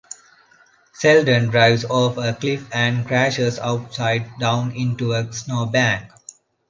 Sheldon drives off a cliff and crashes upside down into a snowbank.